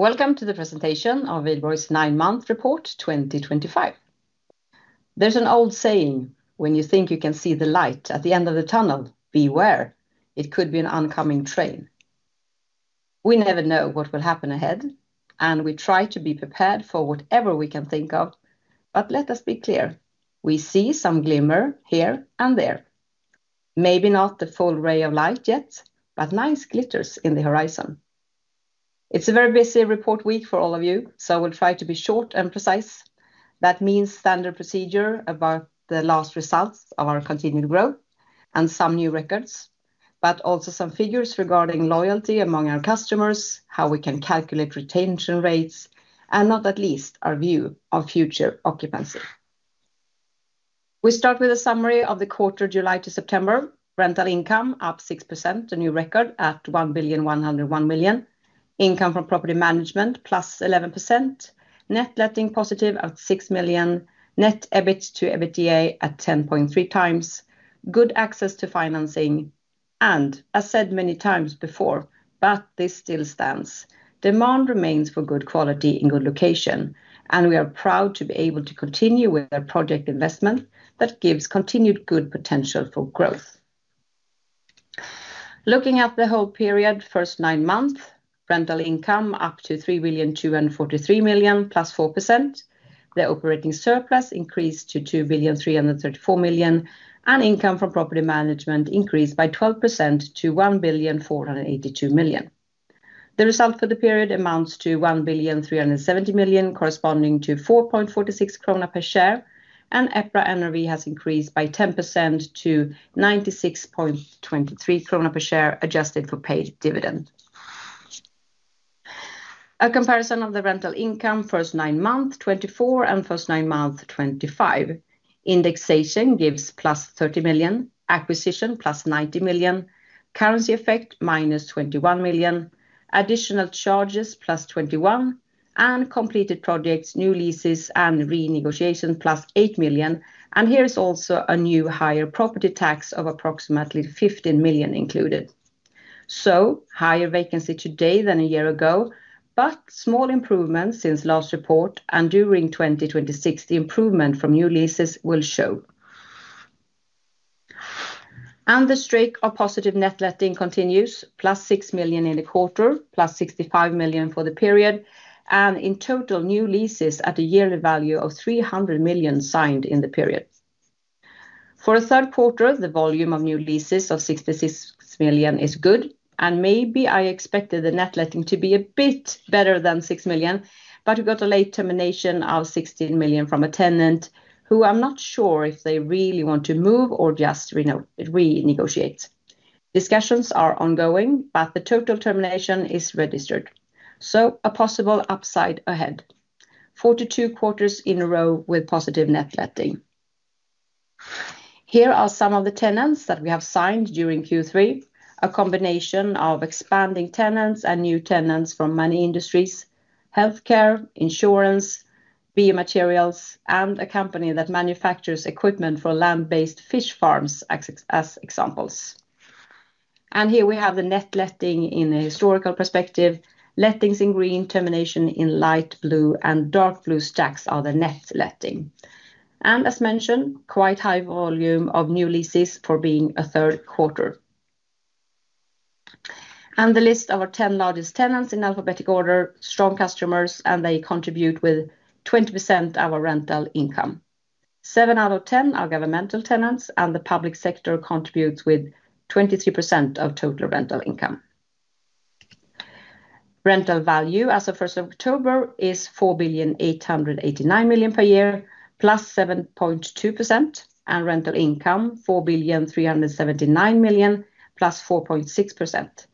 Welcome to the presentation of Wihlborgs Fastigheter AB's Nine Month Report 2025. There's an old saying when you think you can see the light at the end of the tunnel, beware, it could be an oncoming train. We never know what will happen ahead and we try to be prepared for whatever we can think of. Let us be clear, we see some glimmer here and there. Maybe not the full ray of light yet, but nice glitters in the horizon. It's a very busy report week for all of you, so we'll try to be short and precise. That means standard procedure about the last results of our continued growth and some new records, but also some figures regarding loyalty among our customers, how we can calculate retention rates and not at least our view of future occupancy. We start with a summary of the quarter July to September: rental income up 6%, a new record at 1,101,000,000; income from property management plus 11%; net letting positive at 6 million; net EBIT to EBITDA at 10.3 times; good access to financing and as said many times before, this still stands. Demand remains for good quality in good location and we are proud to be able to continue with our project investment that gives continued good potential for growth. Looking at the whole period, first nine months rental income up to 3,243,000,000 plus 4%, the operating surplus increased to 2,334,000,000 and income from property management increased by 12% to 1,482,000,000. The result for the period amounts to 1,370,000,000 corresponding to 4.46 krona per share and EPRA NRV has increased by 10% to 96.23 krona per share adjusted for paid dividend. A comparison of the rental income first nine months 2024 and first nine months 2025: indexation gives plus 30 million, acquisition plus 90 million, currency effect minus 21 million, additional charges plus 21 million and completed projects, new leases and renegotiation plus 8 million and here is also a new higher property tax of approximately 15 million included so higher vacancy today than a year ago, but small improvements since last report and during 2026 the improvement from new leases will show and the streak of positive net letting continues plus 6 million in the quarter plus 65 million for the period and in total new leases at a yearly value of 300 million signed in the period for a third quarter. The volume of new leases of 66 million is good and maybe I expected the net letting to be a bit better than 6 million, but we got a late termination of 16 million from a tenant who I'm not sure if they really want to move or just renegotiate. Discussions are ongoing, but the total termination is registered. A possible upside ahead: 42 quarters in a row with positive net letting. Here are some of the tenants that we have signed during Q3, a combination of expanding tenants and new tenants from many industries. Healthcare, insurance, building materials, and a company that manufactures equipment for land-based fish farms as examples. Here we have the net letting in a historical perspective. Lettings in green, termination in light blue, and dark blue stacks are the net letting. As mentioned, quite high volume of new leases for being a third quarter, and the list of our 10 largest tenants in alphabetic order, strong customers, and they contribute with 20% of our rental income. 7 out of 10 are governmental tenants, and the public sector contributes with 23% of total rental income. Rental value as of October 1 is 4,889,000,000 per year, up 7.2%, and rental income 4,379,000,000, up 4.6%,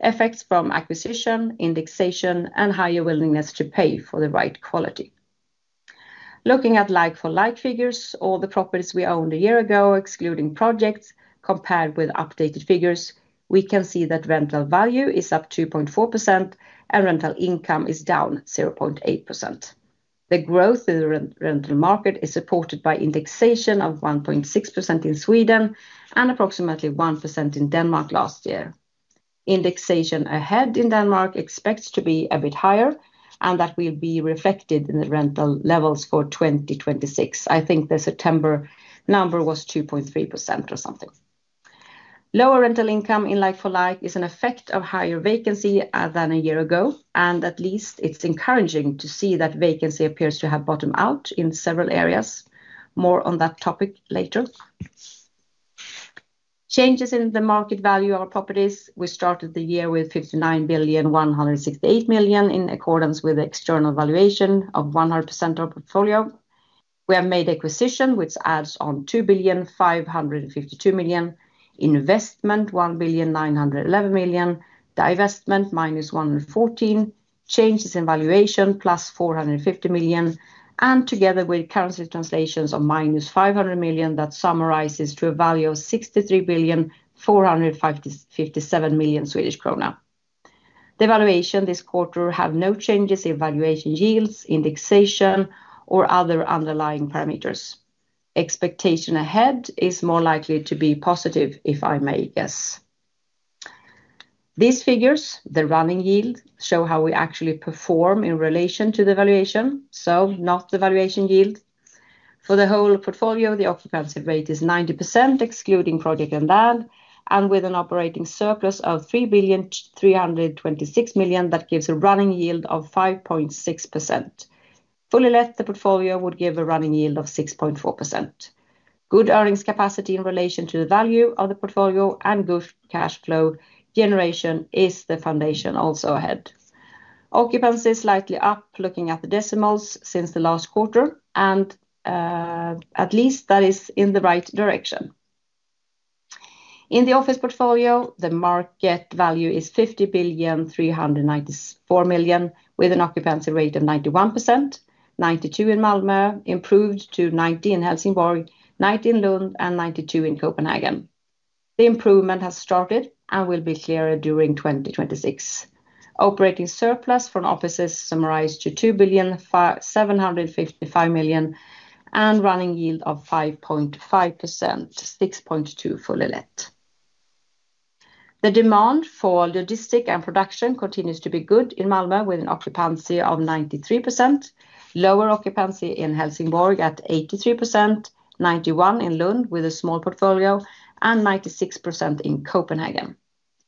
effects from acquisition, indexation, and higher willingness to pay for the right quality. Looking at like-for-like figures, all the properties we owned a year ago, excluding projects, compared with updated figures, we can see that rental value is up 2.4% and rental income is down 0.8%. The growth in the rental market is supported by indexation of 1.6% in Sweden and approximately 1% in Denmark last year. Indexation ahead in Denmark expects to be a bit higher, and that will be reflected in the rental levels for 2026. I think the September number was 2.3% or something. Lower rental income in like-for-like is an effect of higher vacancy than a year ago, and at least it's encouraging to see that vacancy appears to have bottomed out in several areas. More on that topic later. Changes in the market value of our properties: we started the year with 59,168,000,000. In accordance with the external valuation of 100% of the portfolio, we have made acquisition, which adds on 2,552,000,000, investment 1,911,000,000, divestment minus 114,000,000, changes in valuation plus 450,000,000, and together with currency translations of minus 500,000,000, that summarizes to a value of 63,457,000,000 Swedish krona. The valuation this quarter had no changes in valuation yields, indexation, or other underlying parameters. Expectation ahead is more likely to be positive. If I may guess these figures, the running yield shows how we actually perform in relation to the valuation, so not the valuation yield. For the whole portfolio, the occupancy rate is 90% excluding project and land, and with an operating surplus of 3,326,000,000, that gives a running yield of 5.6%. Fully let, the portfolio would give a running yield of 6.4%. Good earnings capacity in relation to the value of the portfolio and good cash flow generation is the foundation. Also ahead, occupancy is slightly up looking at the decimals since the last quarter, and at least that is in the right direction. In the office portfolio, the market value is 50,394,000,000 with an occupancy rate of 91%. 92% in Malmö, improved to 90% in Helsingborg, 90% in Lund, and 92% in Copenhagen. The improvement has started and will be clearer during 2026. Operating surplus from offices summarized to 2,755,000,000 and running yield of 5.5%, 6.2% for fully let. The demand for logistics and production continues to be good in Malmö with an occupancy of 93%. Lower occupancy in Helsingborg at 83%, 91% in Lund with a small portfolio, and 96% in Copenhagen.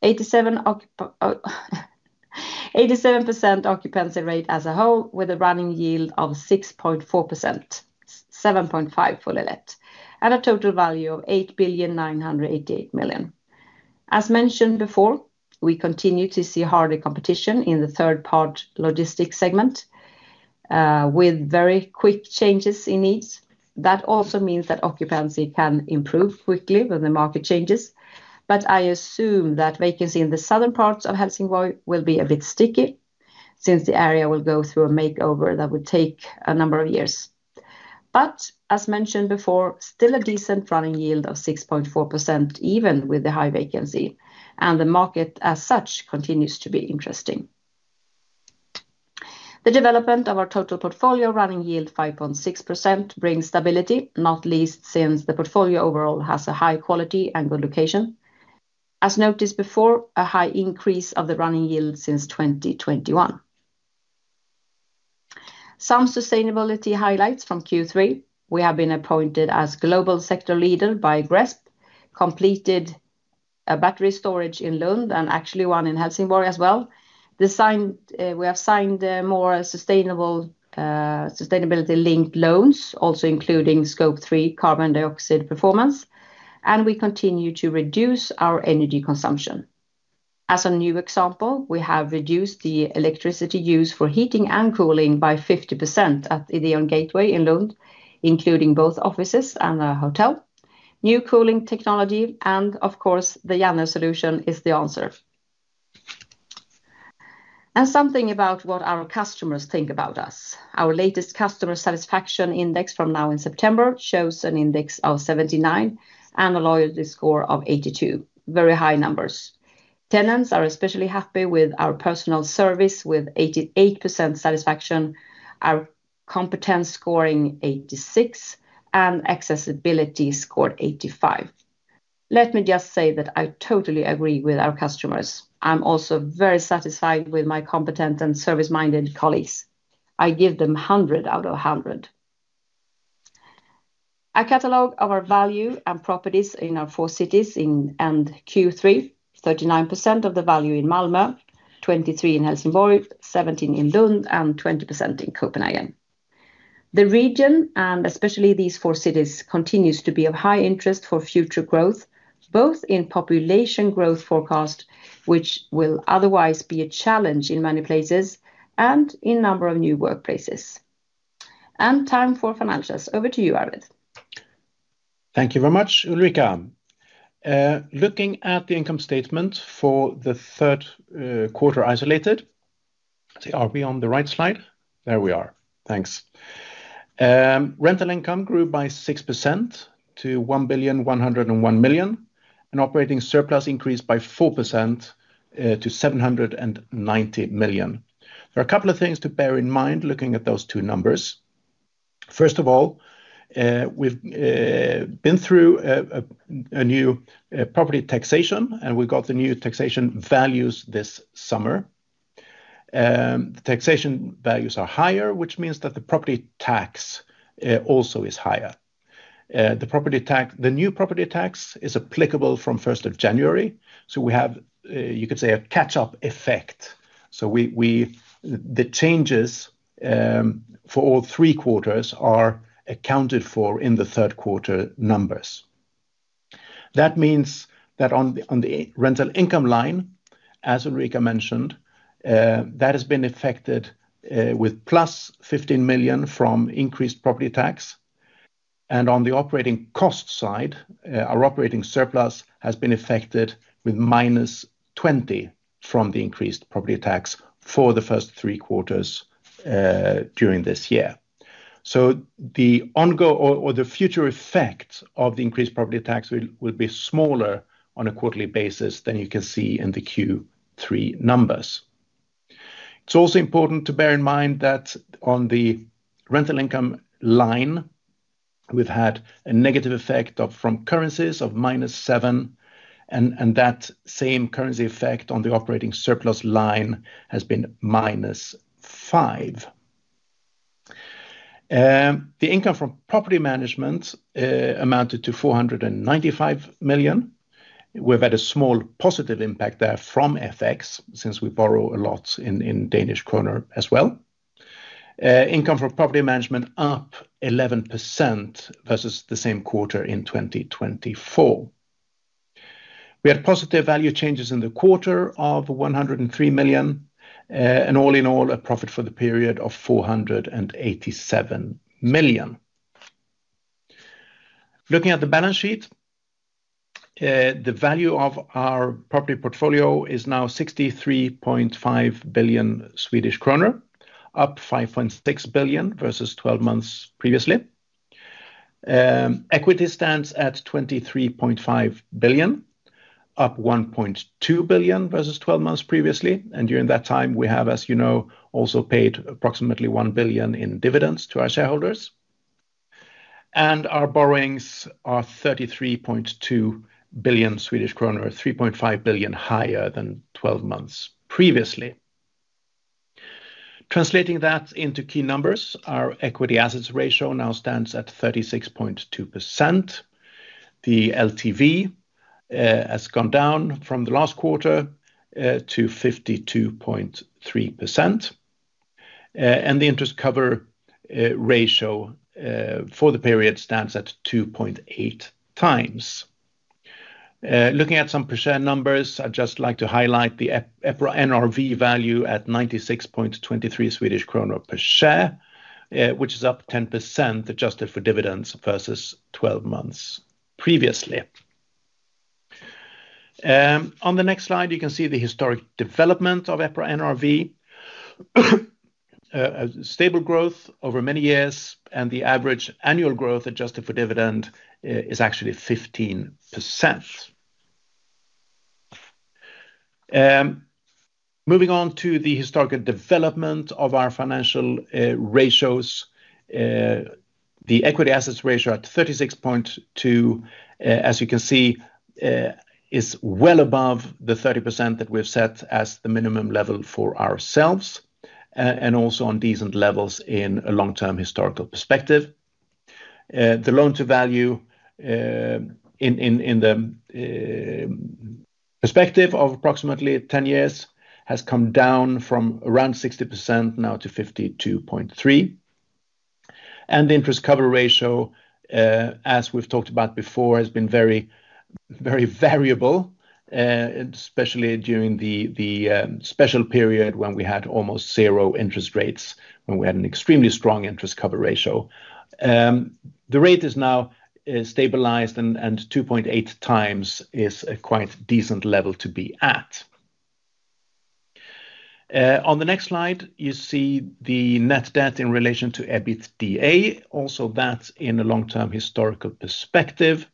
87% occupancy rate as a whole with a running yield of 6.4%, 7.5% for fully let, and a total value of 8,988,000,000. As mentioned before, we continue to see harder competition in the third-party logistics segment with very quick changes in needs. That also means that occupancy can improve quickly when the market changes. I assume that vacancy in the southern parts of Helsingborg will be a bit sticky since the area will go through a makeover that would take a number of years, but as mentioned before, still a decent running yield of 6.4%. Even with the high vacancy, the market as such continues to be interesting. The development of our total portfolio running yield, 5.6%, brings stability not least since the portfolio overall has a high quality and good location. As noticed before, a high increase of the running yield since 2021. Some sustainability highlights from Q3: we have been appointed as global sector leader by GRESB, completed a battery storage in Lund and actually one in Helsingborg as well. We have signed more sustainability-linked loans, also including scope 3 carbon dioxide performance, and we continue to reduce our energy consumption. As a new example, we have reduced the electricity used for heating and cooling by 50% at Ideon Gateway in Lund, including both offices and a hotel, new cooling technology, and of course the Yanr solution is the answer. Something about what our customers think about us. Our latest customer satisfaction index from now in September shows an index of 79 and a loyalty score of 82. Very high numbers. Tenants are especially happy with our personal service with 88% satisfaction, our competence scoring 86, and accessibility scored 85. Let me just say that I totally agree with our customers. I'm also very satisfied with my competent and service-minded colleagues. I give them 100 out of 100. A catalogue of our value and properties in our four cities in end Q3, 39% of the value in Malmö, 23% in Helsingborg, 17% in Lund, and 20% in Copenhagen. The region and especially these four cities continues to be of high interest for future growth both in population growth forecast, which will otherwise be a challenge in many places, and in number of new workplaces. Time for financials. Over to you Arvid. Thank you very much, Ulrika. Looking at the income statement for the third quarter isolated, are we on the right slide? There we are. Thanks. Rental income grew by 6% to 1,101,000,000 and operating surplus increased by 4% to 790,000,000. There are a couple of things to bear in mind looking at those two numbers. First of all, we've been through a new property taxation and we got the new taxation values this summer. Taxation values are higher, which means that the property tax also is higher. The new property tax is applicable from January 1, so we have, you could say, a catch up effect. The changes for all three quarters are accounted for in the third quarter numbers. That means that on the rental income line, as Ulrika mentioned, that has been affected with plus 15 million from increased property tax. On the operating cost side, our operating surplus has been affected with minus 20 million from the increased property tax for the first three quarters during this year. The ongoing or the future effect of the increased property tax will be smaller on a quarterly basis than you can see in the Q3 numbers. It's also important to bear in mind that on the rental income line we've had a negative effect from currencies of minus 7 million and that same currency effect on the operating surplus line has been minus 5 million. The income from property management amounted to 495 million. We've had a small positive impact there from FX since we borrow a lot in Danish kroner as well. Income from property management up 11% versus the same quarter in 2024. We had positive value changes in the quarter of 103 million and all in all, a profit for the period of 487 million. Looking at the balance sheet, the value of our property portfolio is now 63.5 billion Swedish kronor, up 5.6 billion versus 12 months previously. Equity stands at 23.5 billion, up 1.2 billion versus 12 months previously. During that time we have, as you know, also paid approximately 1 billion in dividends to our shareholders. Our borrowings are 33.2 billion Swedish kronor, or 3.5 billion higher than 12 months previously. Translating that into key numbers, our equity/assets ratio now stands at 36.2%. The LTV has gone down from the last quarter to 52.3%. The interest cover ratio for the period stands at 2.8 times. Looking at some per share numbers, I'd just like to highlight the NRV value at 96.23 Swedish kronor per share, which is up 10% adjusted for dividends versus 12 months previously. On the next slide you can see the historic development of EPRA NRV stable growth over many years and the average annual growth adjusted for dividend is actually 15%. Moving on to the historical development of our financial ratios. The equity/assets ratio at 36.2% as you can see is well above the 30% that we've set as the minimum level for ourselves and also on decent levels in a long-term historical perspective. The loan-to-value in the perspective of approximately 10 years has come down from around 60% now to 52.3%. The interest cover ratio as we've talked about before has been very, very variable, especially during the special period when we had almost zero interest rates, when we had an extremely strong interest cover ratio. The rate is now stabilized and 2.8 times is a quite decent level to be at. On the next slide you see the net debt in relation to EBITDA. Also that in a long-term historical perspective,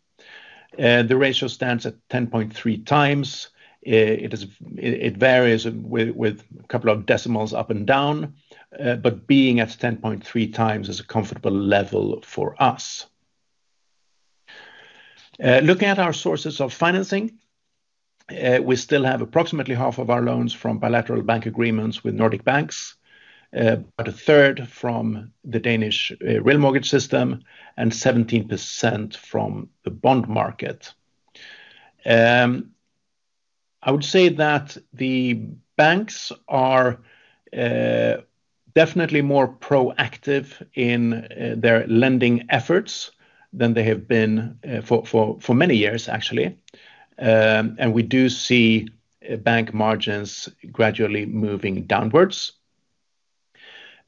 the ratio stands at 10.3 times. It varies with a couple of decimals up and down, but being at 10.3 times is a comfortable level for us. Looking at our sources of financing, we still have approximately half of our loans from bilateral bank agreements with Nordic banks, a third from the Danish real mortgage system, and 17% from the bond market. I would say that the banks are definitely more proactive in their lending efforts than they have been for many years actually. We do see bank margins gradually moving downwards.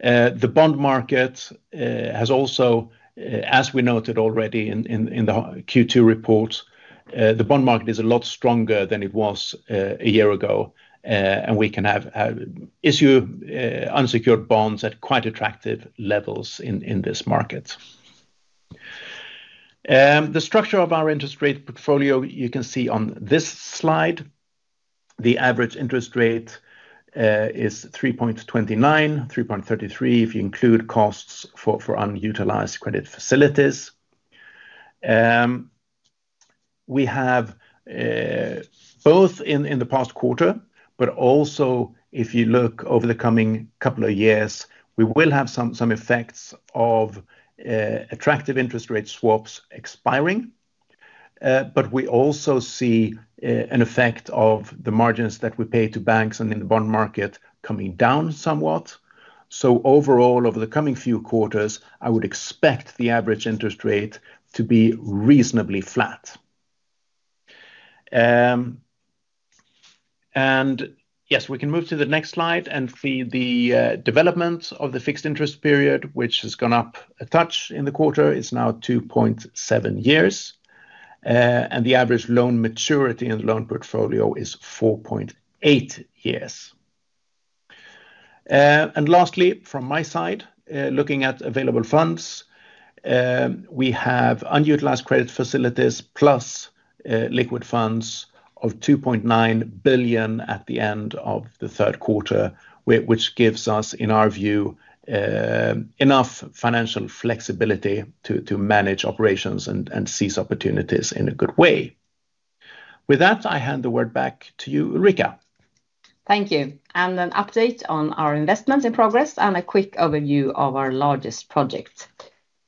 The bond market has also, as we noted already in the Q2 report, the bond market is a lot stronger than it was a year ago and we can issue unsecured bonds at quite attractive levels in this market. The structure of our interest rate portfolio you can see on this slide, the average interest rate is 3.29%, 3.33% if you include costs for unutilized credit facilities. We have both in the past quarter, but also if you look over the coming couple of years, we will have some effects of attractive interest rate swaps expiring. We also see an effect of the margins that we pay to banks and in the bond market coming down somewhat. Overall over the coming few quarters I would expect the average interest rate to be reasonably flat. Yes, we can move to the next slide and see the development of the fixed interest period which has gone up a touch in the quarter, is now 2.7 years, and the average loan maturity and loan portfolio is 4.8 years. Lastly from my side, looking at available funds, we have unutilized credit facilities plus liquid funds of 2.9 billion at the end of the third quarter, which gives us in our view enough financial flexibility to manage operations and seize opportunities in a good way. With that, I hand the word back to you, Ulrika. Thank you. An update on our investment in progress and a quick overview of our largest project.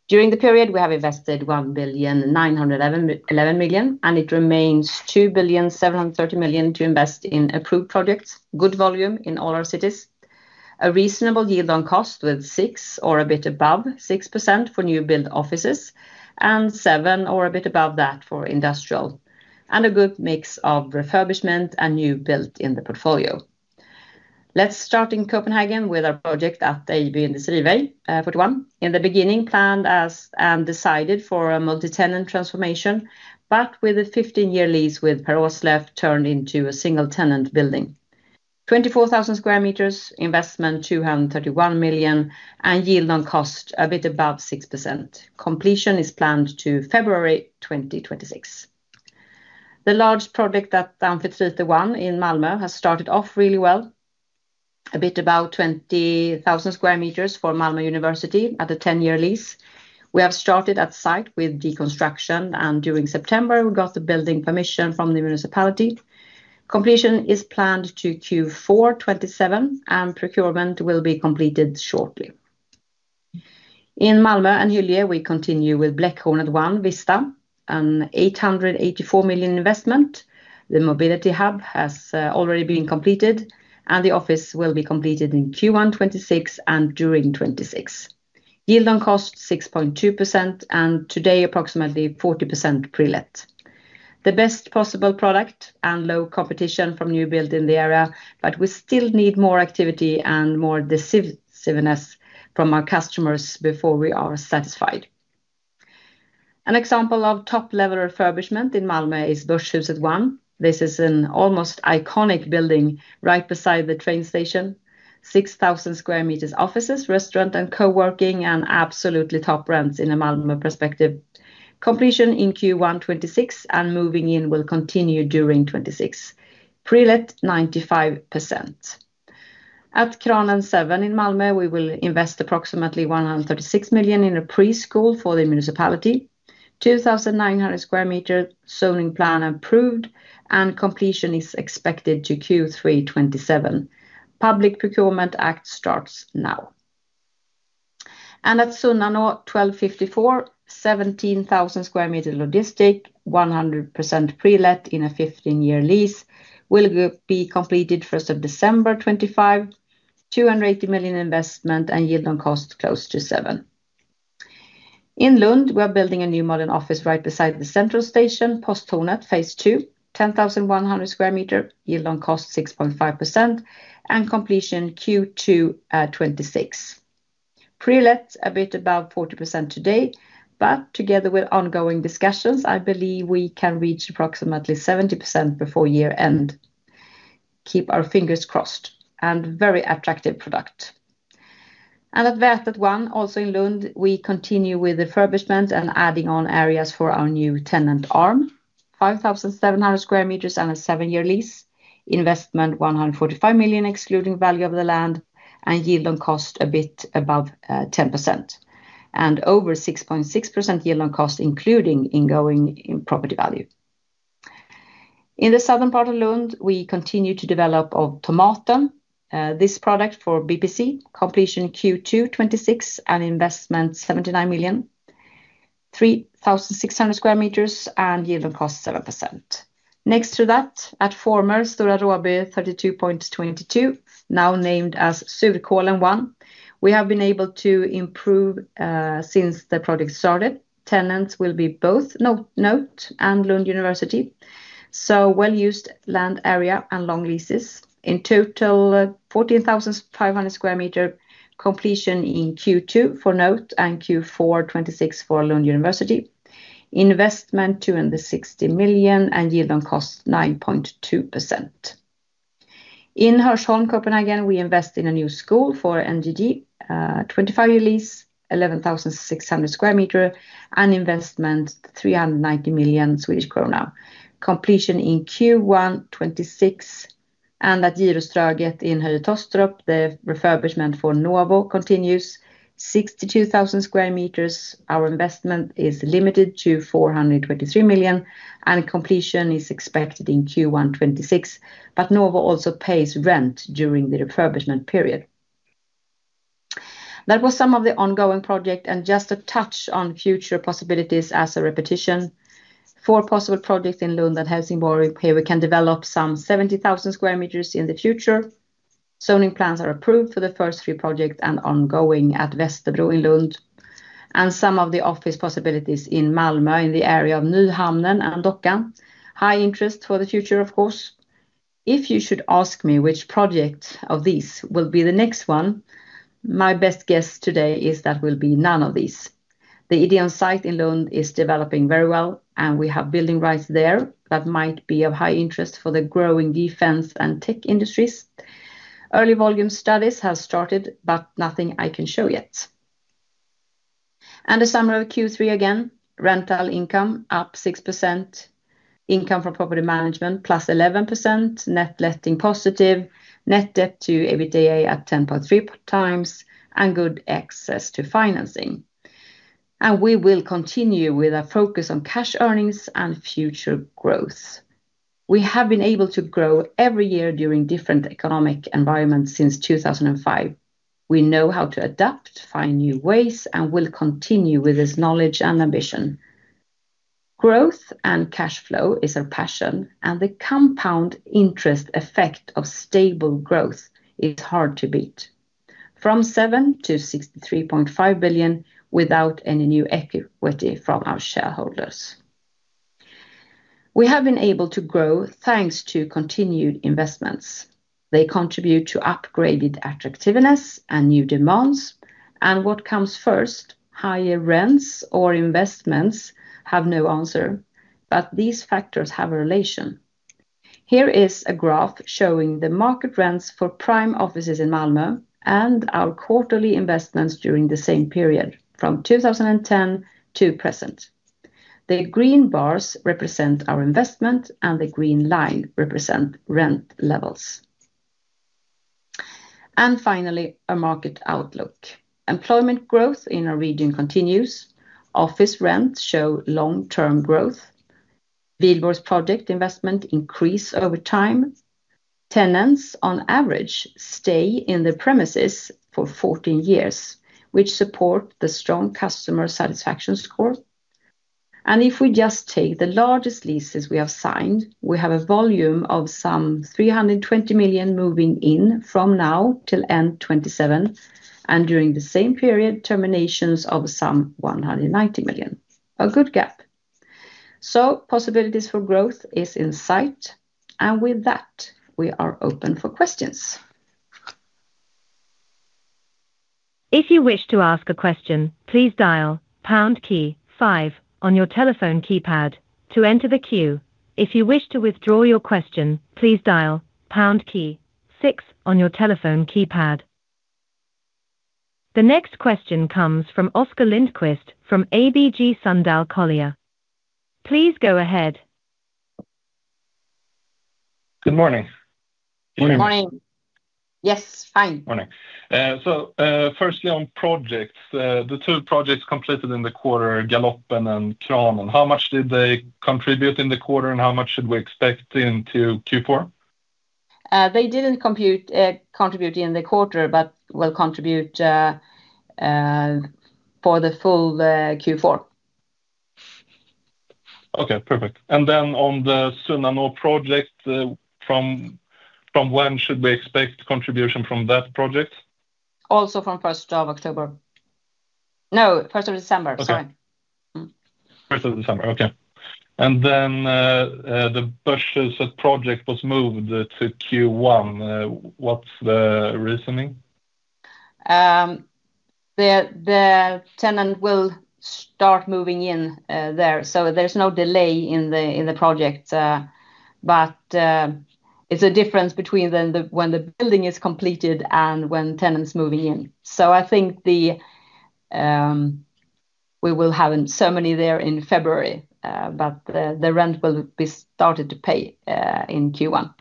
During the period we have invested 1,911,000,000 and it remains 2,730,000,000 to invest in approved projects. Good volume in all our cities. A reasonable yield on cost with 6% or a bit above 6% for new build offices and 7% or a bit above that for industrial. A good mix of refurbishment and new build in the portfolio. Let's start in Copenhagen with our project at Ejby Industrivej 41. In the beginning planned as and decided for multi-tenant transformation, but with a 15-year lease with Peroslev, turned into a single-tenant building. 24,000 square meters, investment 231 million and yield on cost a bit above 6%. Completion is planned for February 2026. The large project at Dockan 31 in Malmö has started off really well. A bit about 20,000 square meters for Malmö University at a 10-year lease. We have started at site with deconstruction and during September we got the building permission from the municipality. Completion is planned for Q4 2027 and procurement will be completed shortly. In Malmö and Jyllie we continue with Bläckhornet 1 Västra, an 884 million investment. The mobility hub has already been completed and the office will be completed in Q1 2026 and during 2026, yield on cost 6.2% and today approximately 40% pre-let. The best possible product and low competition from new build in the area. We still need more activity and more decisiveness from our customers before we are satisfied. An example of top-level refurbishment in Malmö is Posthusplatsen 1. This is an almost iconic building right beside the train station. 6,000 square meters, offices, restaurant and co-working and absolutely top rents in a Malmö perspective. Completion in Q1 2026 and moving in will continue during 2026, pre-let 95%. At Kranen 7 in Malmö we will invest approximately 136 million in a preschool for the municipality. 2,900 square meter zoning plan approved and completion is expected for Q3 2027. Public Procurement Act starts now. At Sunnanå 12:54, 17,000 square meter logistics, 100% pre-let in a 15-year lease, will be completed 1st of December 2025. 280 million investment and yield on cost close to 7%. In Lund we are building a new modern office right beside the central station, Posthornet phase two. 10,100 square meter, yield on cost 6.5% and completion Q2 2026, pre-let a bit above 40% today, but together with ongoing discussions I believe we can reach approximately 70% before year end. Keep our fingers crossed and very attractive product. At Werthat1, also in Lund, we continue with refurbishment and adding on areas for our new tenant, ARM, 5,700 square meters and a seven-year lease. Investment 145 million excluding value of the land and yield on cost a bit above 10% and over 6.6% yield on cost including ingoing property value. In the southern part of Lund, we continue to develop automata, this product for BPC, completion Q2 2026 and investment 79 million, 3,600 square meters and yield on cost 7%. Next to that, at former Storaruabe 32.22, now named as Surkowlen 1, we have been able to improve since the project started. Tenants will be both Note and Lund University. Well-used land area and long leases, in total 14,500 square meters, completion in Q2 for Note and Q4 2026 for Lund University. Investment 260 million and yield on cost 9.2%. In Hirshhorn, Copenhagen, we invest in a new school for NGD, 25-year lease, 11,600 square meters and investment 390 million Swedish krona. Completion in Q1 2026 and at Jiro Straget in Heltostrup, the refurbishment for Nuovo continues, 62,000 square meters. Our investment is limited to 423 million and completion is expected in Q1 2026, but Nuovo also pays rent during the refurbishment period. That was some of the ongoing projects and just a touch on future possibilities. As a repetition, four possible projects in Lund and Helsingborg where we can develop some 70,000 square meters in the future. Zoning plans are approved for the first three projects and ongoing at Westerbruw in Lund and some of the office possibilities in Malmö in the area of Nyhamne and Dokka. High interest for the future of course. If you should ask me which project of these will be the next one, my best guess today is that will be none of these. The EDN site in Lund is developing very well and we have building rights there that might be of high interest for the growing defense and tech industries. Early volume studies have started, but nothing I can show yet. The summary of Q3 again. Rental income up 6%, income from property management plus 11%, net letting positive, net debt to EBITDA at 10.3 times and good access to financing. We will continue with a focus on cash earnings and future growth. We have been able to grow every year during different economic environments since 2005. We know how to adapt, find new ways and will continue with this knowledge and ambition. Growth and cash flow is our passion, and the compound interest effect of stable growth is hard to beat. From 7 to 63.5 billion. Without any new equity from our shareholders, we have been able to grow thanks to continued investments. They contribute to upgraded attractiveness and new demands. What comes first? Higher rents or investments have no answer, but these factors have a relation. Here is a graph showing the market rents for prime offices in Malmö and our quarterly investments during the same period from 2010 to present. The green bars represent our investment, and the green line represents rent levels. Finally, our market outlook. Employment growth in our region continues. Office rents show long-term growth. Wihlborgs' project investment increases over time. Tenants on average stay in the premises for 14 years, which supports the strong customer satisfaction score. If we just take the largest leases we have signed, we have a volume of some 320 million moving in from now till end 2027. During the same period, terminations of some 190 million. A good gap. Possibilities for growth is in sight. With that, we are open for questions. If you wish to ask a question, please dial on your telephone keypad to enter the queue. If you wish to withdraw your question, please dial 6 on your telephone keypad. The next question comes from Oscar Lindquist from ABG Sundal Collier. Please go ahead. Good morning. Good morning. Yes, fine. Morning. Firstly, on projects, the two projects completed in the quarter, Galopinen and Kronan, how much did they contribute in the quarter, and how much should we expect into Q4? They didn't contribute in the quarter, but will contribute for the full Q4. Okay, perfect. On the soon and or project, from when should we expect contribution from that project? Also from 1st of October, no, 1st of December. Sorry, 1st of December. Okay. The bushes project was moved to Q1. What's the reasoning? The tenant will start moving in there. There's no delay in the project, but it's a difference between when the building is completed and when tenants moving in. I think we will have so many there in February, but the rent will be started to pay in Q1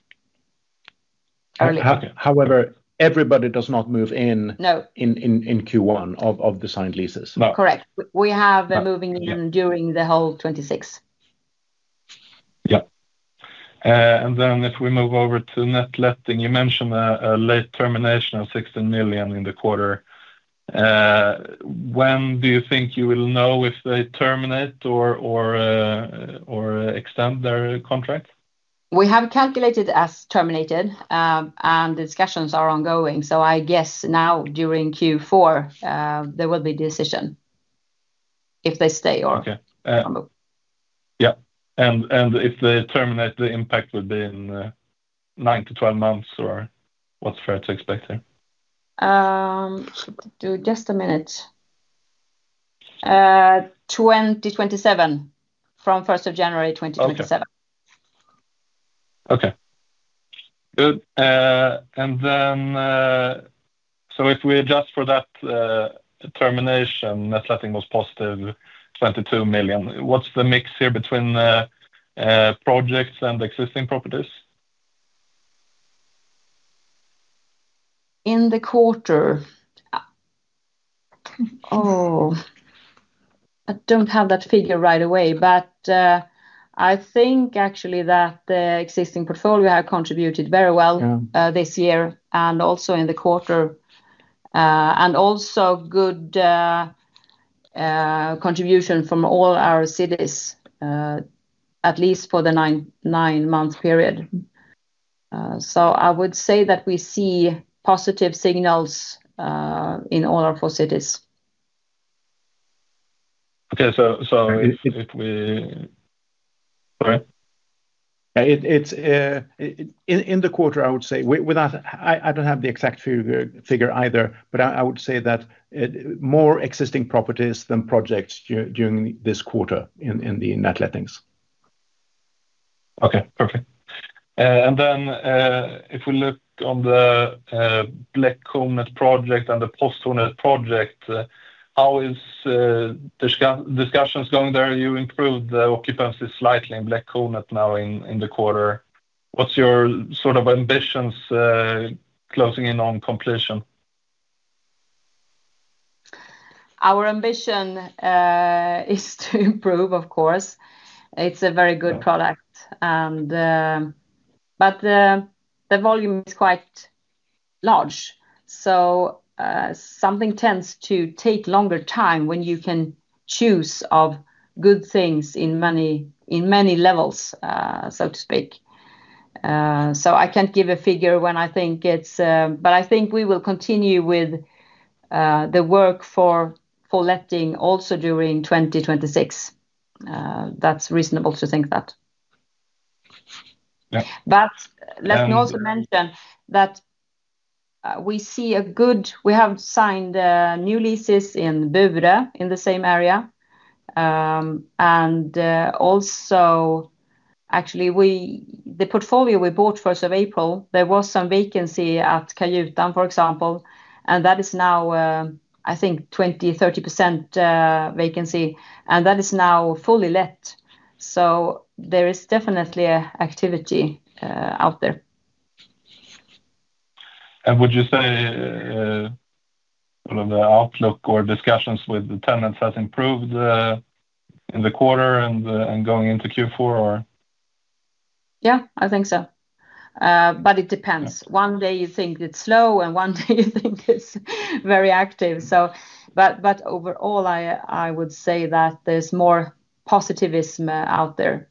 earlier. However, everybody does not move in in Q1 of the signed leases. Correct. We have a moving in during the whole 2026. Yep. If we move over to net letting, you mention a late termination of $16 million in the quarter. When. Do you think you will know if they terminate or extend their contract? We have calculated as terminated and discussions are ongoing. I guess now during Q4 there will be decision if they stay or. If they terminate, the impact would be in nine to 12 months or what's fair to expect here? Just a minute. 2027 from 1st of January 2027. Okay, good. If we adjust for that determination, net letting was positive, $22 million. What's the mix here between projects and existing properties? I don't have that figure right away, but I think actually that the existing portfolio had contributed very well this year and also in the quarter. Also, good contribution from all our cities, at least for the nine month period. I would say that we see positive signals in all our four cities. Okay, if we. It's in the quarter. I would say, without, I don't have the exact figure either, but I would say that more existing properties than projects during this quarter in the net lettings. Okay, perfect. If we look at the Kronan project and the Galopinen project, how are discussions going there? You improved the occupancy slightly in Galopinen now in the quarter. What's your sort of ambitions closing in on completion? Our ambition is to improve, of course. It's a very good product, but the volume is quite large, so something tends to take longer time when you can choose of good things in many levels, so to speak. I can't give a figure when I think it's. I think we will continue with the work for letting also during 2026. That's reasonable to think that. Let me also mention that we see a good. We have signed new leases in Beuvre in the same area. Also, actually, the portfolio we bought 1st of April, there was some vacancy at Cayutan, for example, and that is now, I think, 20-30% vacancy and that is now fully let. There is definitely activity out there. Would you say the outlook or discussions with the tenants has improved in the quarter and going into Q4? Yeah, I think so, but it depends. One day you think it's slow and one day you think it's very active. Overall, I would say that there's more positivism out there.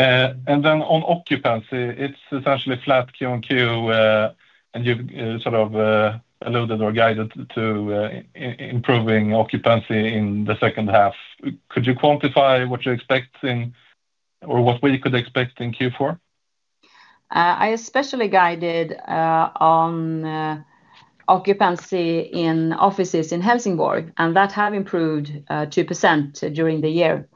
Yeah. On occupancy, it's essentially flat Q on Q. You've sort of alluded or guided to improving occupancy in the second half. Could you quantify what you expect in or what we could expect in Q4? I especially guided on occupancy in offices in Helsingborg, and that has improved 2% during the year.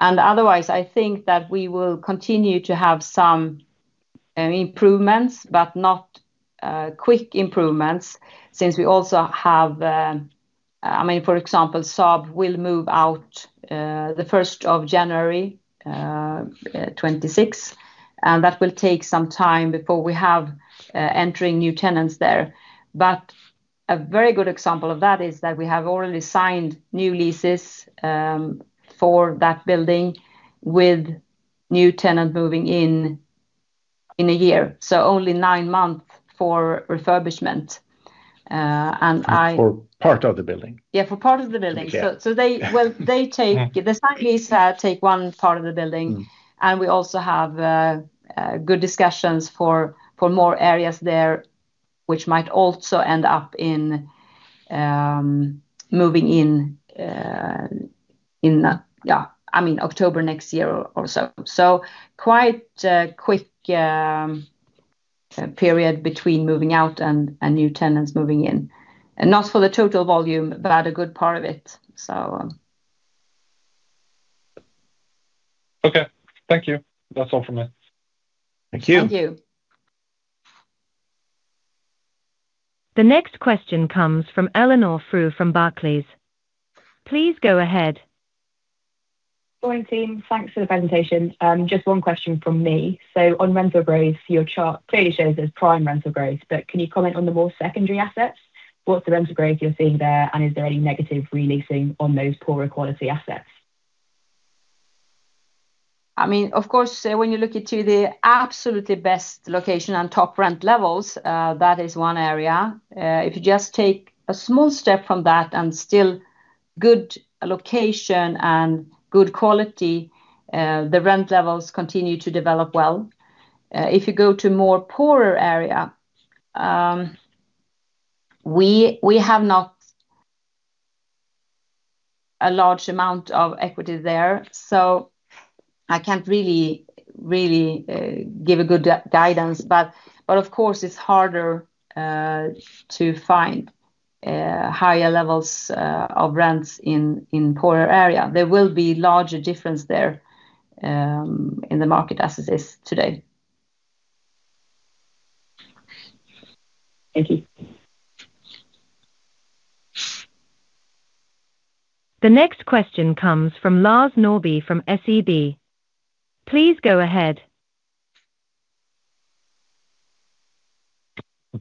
Otherwise, I think that we will continue to have some improvements, but not quick improvements since we also have, I mean, for example, Saab will move out the 1st of January 2026, and that will take some time before we have entering new tenants there. A very good example of that is that we have already signed new leases for that building with new tenant moving in in a year. Only nine months for refurbishment. For part of the building? Yeah, for part of the building. They take one part of the building, and we also have good discussions for more areas there, which might also end up in moving in October next year or so. Quite a quick period between moving out and new tenants moving in, and not for the total volume but a good part of it. Okay, thank you. That's all from me. Thank you. Thank you. The next question comes from Eleanor Frue from Barclays. Please go ahead. Morning team. Thanks for the presentation. Just one question from me. On rental growth, your chart clearly shows as prime rental growth, but can. You comment on the more secondary assets? What's the rental growth you're seeing there, and is there any negative re-leasing on those poorer quality assets? I mean of course when you look into the absolutely best location and top rent levels, that is one area. If you just take a small step from that and still good location and good quality, the rent levels continue to develop. If you go to more poorer area, we have not a large amount of equity there. I can't really give a good guidance. Of course it's harder to find higher levels of rents in poorer area. There will be larger difference there in the market as it is today. Thank you. The next question comes from Lars Norrby from SEB. Please go ahead.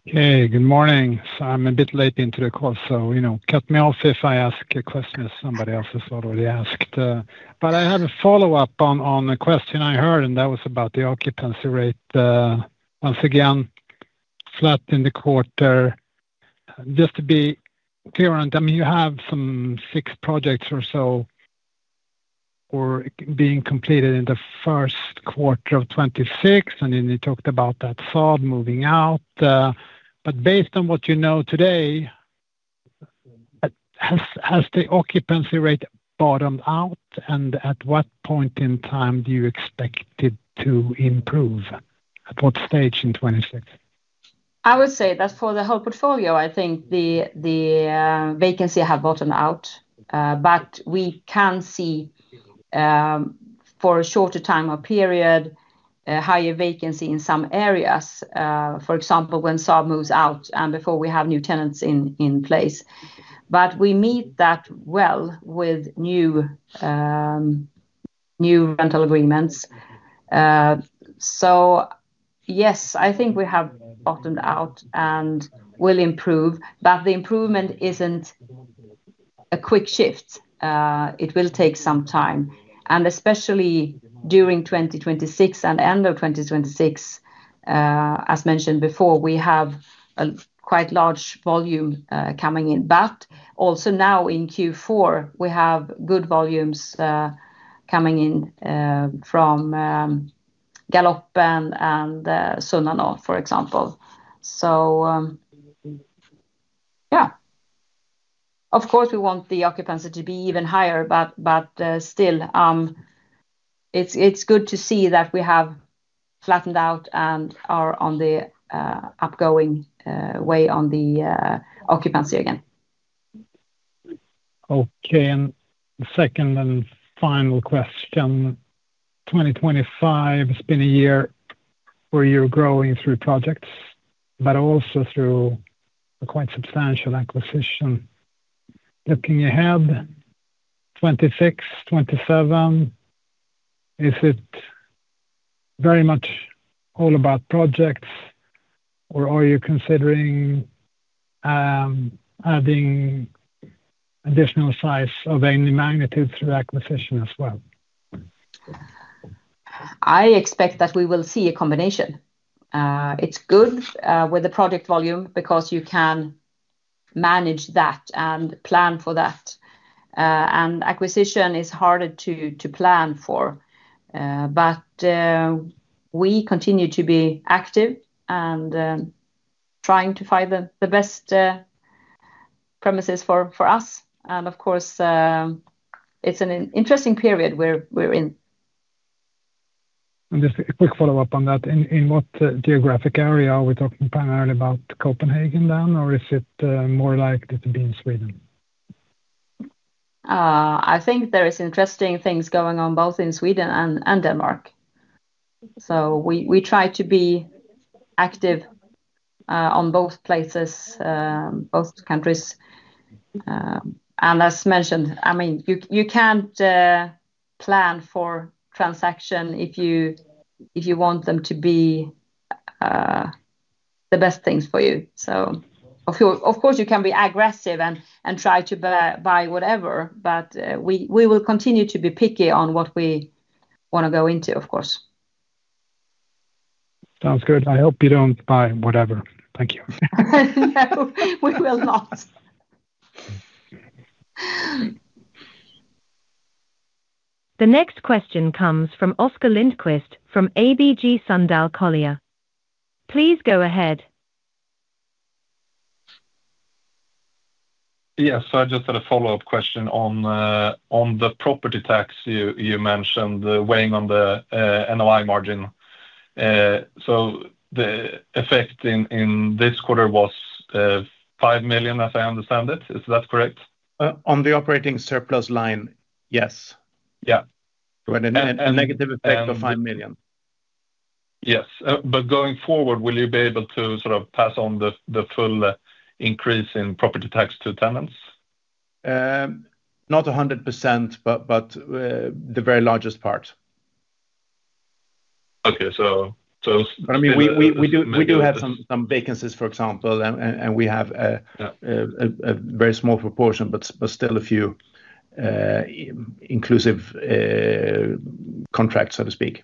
Okay. Good morning. I'm a bit late into the call, so you know, cut me off if I ask a question that somebody else has already asked. I have a follow up on a question I heard and that was about the occupancy rate once again flat in the quarter. Just to be clear on them, you have some six projects or so being completed in 1Q26 and then you talked about that sod moving out. Based on what you know today, has the occupancy rate bottomed out and at what point in time do you expect it to improve? At what stage? In 2016? I would say that for the whole portfolio I think the vacancy has bottomed out. We can see for a shorter time or period higher vacancy in some areas, for example, when Saab moves out and before we have new tenants in place. We meet that well with new rental agreements. Yes, I think we have bottomed out and will improve. The improvement isn't a quick shift. It will take some time, especially during 2026 and end of 2026, as mentioned before, we have a quite large volume coming in. Also, now in Q4 we have good volumes coming in from Galopinen and Kronan, for example. So. Of course we want the occupancy to be even higher, but still it's good to see that we have flattened out and are on the upgoing way on the occupancy again. Okay. Second and final question. 2025 has been a year where you're growing through projects, but also through a quite substantial acquisition. Looking ahead 2026, 2027, is it very much all about projects, or are you considering adding additional size of any magnitude through acquisition as well? I expect that we will see a combination. It's good with the project volume because you can manage that and plan for that. Acquisition is harder to plan for. We continue to be active and trying to find the best premises for us. Of course, it's an interesting period where we're in. Just a quick follow-up on that. In what geographic area? Are we talking primarily about Copenhagen then, or is it more likely to be in Sweden? I think there are interesting things going on both in Sweden and Denmark. We try to be active in both places, both countries. As mentioned, you can't plan for a transaction if you want them to be the best things for you. Of course, you can be aggressive and try to buy whatever, but we will continue to be picky on what we want to go into, of course. Sounds good. I hope you don't buy whatever. Thank you. No, we will not. The next question comes from Oscar Lindquist from ABG Sundal Collier. Please go ahead. Yes, I just had a follow-up question on the property tax. You mentioned the weighing on the NOI margin. The effect in this quarter was 5 million as I understand it. Is that correct? On the operating surplus line? Yes. Yeah. A negative effect of 5 million. Yes. Going forward, will you be able to sort of pass on the full increase in property tax to tenants? Not 100%, but the very largest part. Okay, I mean, we do have some vacancies, for example, and we have a very small proportion, but still a few inclusive contracts, so to speak.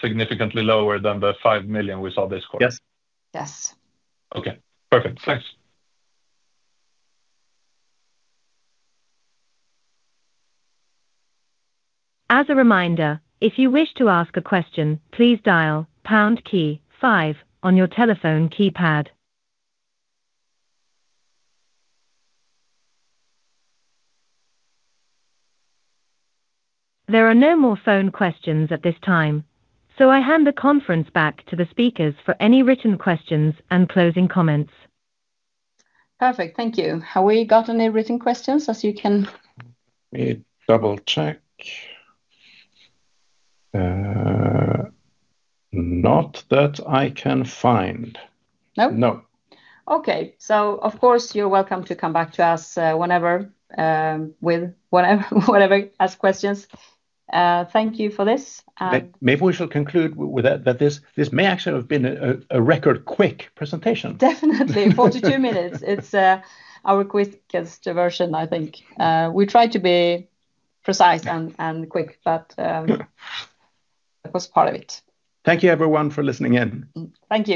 Significantly lower than the $5 million we saw this quarter. Yes. Yes. Okay, perfect. Thanks. As a reminder, if you wish to ask a question, please dial 5 on your telephone keypad. There are no more phone questions at this time. I hand the conference back to the speakers for any written questions and closing comments. Perfect, thank you. Have we got any written questions? You can double check? Not that I can find. No. No. Of course, you're welcome to come back to us whenever with whatever, ask questions. Thank you for this. Maybe we shall conclude with that. This may actually have been a record quick presentation. Definitely 42 minutes. It's our quickest version, I think. We try to be precise and quick, but that was part of it. Thank you everyone for listening in. Thank you.